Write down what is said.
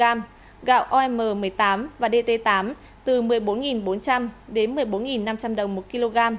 giá gạo om một mươi tám và dt tám từ một mươi bốn bốn trăm linh đến một mươi bốn năm trăm linh đồng một kg